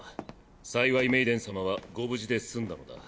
幸いメイデン様はご無事で済んだのだ。